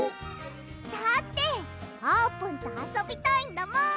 だってあーぷんとあそびたいんだもん！